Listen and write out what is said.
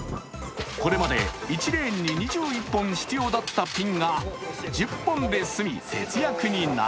これまで１レーンに２１本必要だったピンが１０本で済むという。